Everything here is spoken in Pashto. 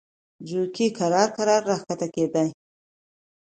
جوګي کرار کرار را کښته کېدی.